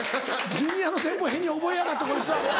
ジュニアの戦法変に覚えやがってこいつは。